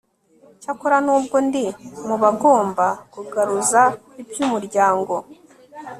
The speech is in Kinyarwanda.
cyakora n'ubwo ndi mu bagomba kugaruza iby'umuryango